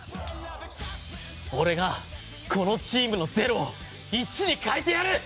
俺がこのチームのゼロを１に変えてやる！